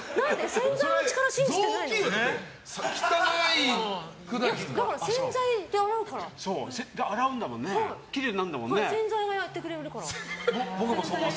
洗剤がやってくれるから。